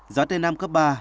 gió tây nam cấp ba